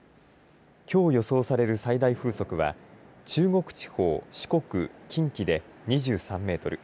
きょう予想される最大風速は中国地方、四国、近畿で２３メートル